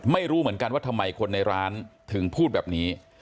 ไม่รู้เหมือนกันว่าทำไมคนในร้านถึงพูดแบบนี้